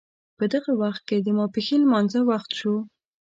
په دغه وخت کې د ماپښین لمانځه وخت شو.